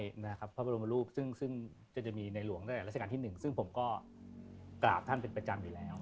พระบรมรูปซึ่งจะมีในหลวงตั้งแต่ราชการที่๑ซึ่งผมก็กราบท่านเป็นประจำอยู่แล้ว